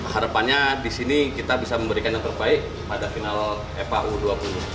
harapannya di sini kita bisa memberikan yang terbaik pada final eva u dua puluh